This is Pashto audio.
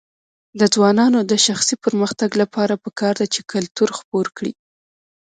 د ځوانانو د شخصي پرمختګ لپاره پکار ده چې کلتور خپور کړي.